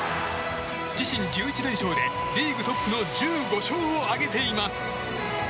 自身１１連勝でリーグトップの１５勝を挙げています。